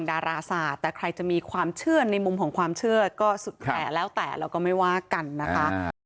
ดาราศาสตร์แต่ใครจะมีความเชื่อในมุมของความเชื่อก็สุดแต่แล้วแต่เราก็ไม่ว่ากันนะคะ